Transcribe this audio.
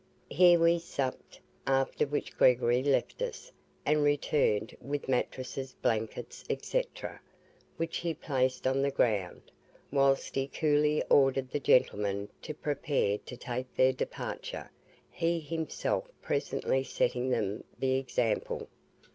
Here we supped, after which Gregory left us, and returned with mattresses, blankets, &c., which he placed on the ground, whilst he coolly ordered the gentlemen to prepare to take their departure, he himself presently setting them the example.